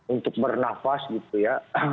untuk bernafas gitu ya